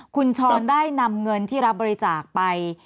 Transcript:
คุณชรได้นำเงินที่รับบริจาคไป